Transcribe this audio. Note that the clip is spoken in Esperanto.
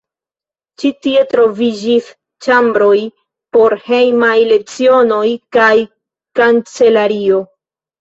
Ĉi tie troviĝis ĉambroj por hejmaj lecionoj kaj kancelario.